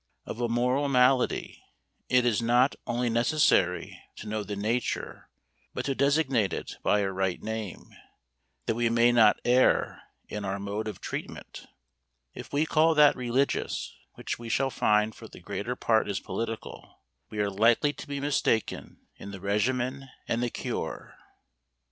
Of a moral malady, it is not only necessary to know the nature, but to designate it by a right name, that we may not err in our mode of treatment. If we call that religious which we shall find for the greater part is political, we are likely to be mistaken in the regimen and the cure.